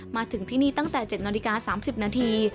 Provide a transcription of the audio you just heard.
มาถึงที่นี่ตั้งแต่๗นาฬิกา๓๐นาที